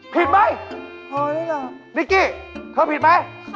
ผิดไหมอ๋อนี่เหรอนิกกี้เธอผิดไหม